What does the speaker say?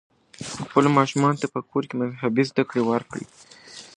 خپلو ماشومانو ته په کور کې مذهبي زده کړې ورکړئ.